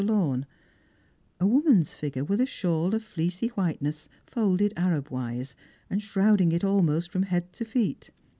tlie lawn, a woman's figure, wifh a shawl of fleecy whiteness folded Arab wise, and shrouding it almost from head to feet.